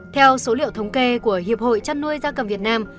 theo số liệu thống kê của hiệp hội chăn nuôi gia cầm việt nam